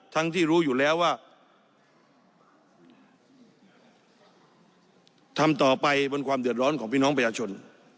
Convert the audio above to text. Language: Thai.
ที่รู้อยู่แล้วว่าทำต่อไปบนความเดือดร้อนของพี่น้องประชาชน